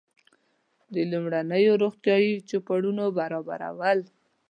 د لومړنیو روغتیایي چوپړونو برابرول.